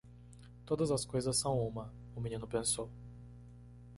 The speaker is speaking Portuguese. Todas as coisas são uma? o menino pensou.